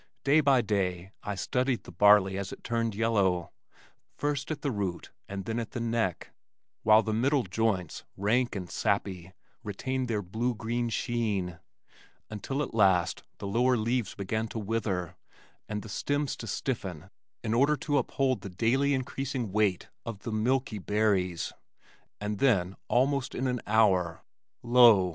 Day by day I studied the barley as it turned yellow, first at the root and then at the neck (while the middle joints, rank and sappy, retained their blue green sheen), until at last the lower leaves began to wither and the stems to stiffen in order to uphold the daily increasing weight of the milky berries, and then almost in an hour lo!